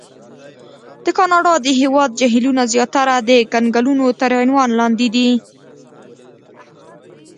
د کاناډا د هېواد جهیلونه زیاتره د کنګلونو تر عنوان لاندې دي.